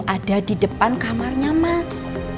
ada di depan kamarnya mas